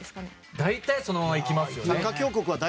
大体そのまま行きますよね。